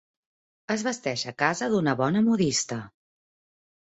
Es vesteix a casa d'una bona modista.